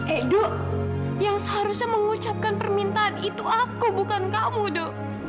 edo yang seharusnya mengucapkan permintaan itu aku bukan kamu do